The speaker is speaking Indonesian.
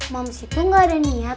moms itu gak ada niat